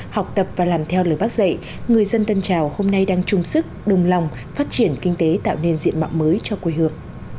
học tập và làm theo lời bác dạy người dân tân trào hôm nay đang chung sức đồng lòng phát triển kinh tế tạo nên diện mạo mới cho quê hương